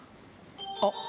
あっ！